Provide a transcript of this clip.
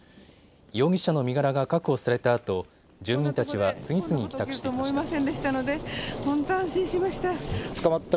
容疑者の身柄が確保されたあと住民たちは次々に帰宅していきました。